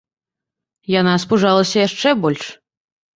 Яна спужалася яшчэ больш.